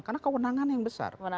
karena kewenangan yang besar